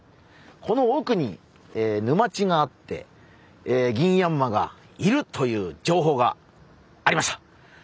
このおくに沼地があってギンヤンマがいるという情報がありました。